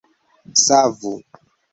savu